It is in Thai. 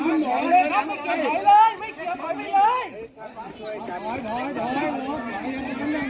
ทางหลังทางหลังทางหลังไม่เกี่ยวไม่เกี่ยวท้อยไปเลย